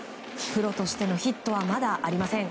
プロとしてのヒットはまだありません。